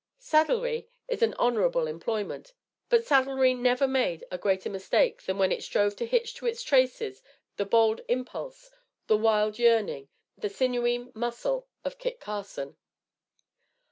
Saddlery is an honorable employment; but saddlery never made a greater mistake than when it strove to hitch to its traces the bold impulse, the wild yearning, the sinewy muscle of Kit Carson.